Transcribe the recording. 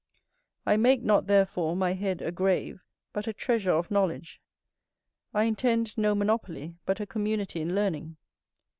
I make not therefore my head a grave, but a treasure of knowledge. I intend no monopoly, but a community in learning.